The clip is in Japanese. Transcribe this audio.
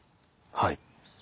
はい。